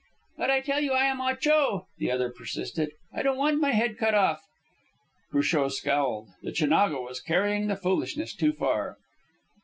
"But I tell you I am Ah Cho," the other persisted. "I don't want my head cut off." Cruchot scowled. The Chinago was carrying the foolishness too far.